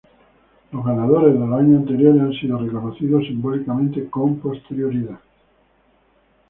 Los ganadores de los años anteriores han sido reconocidos, simbólicamente, con posterioridad.